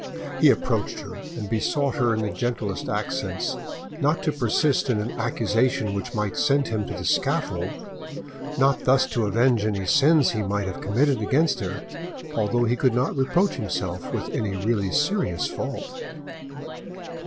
He approached her and besought her in the gentlest accents not to persist in an accusation which might send him to the scaffold, not thus to avenge any sins he might have committed against her, although he could not reproach himself with any really serious fault.